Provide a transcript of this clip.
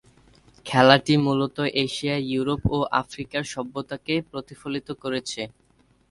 খেলাটি মূলত Asia, Europe ও আফ্রিকার সভ্যতাকে প্রতিফলিত করেছে।